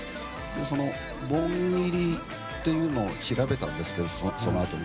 盆ギリっていうのを調べたんですけどそのあとに。